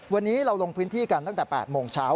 วันนี้เราลงพื้นที่กันตั้งแต่๘โมงเช้า